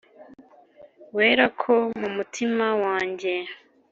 Wera ko mu mutima wanjye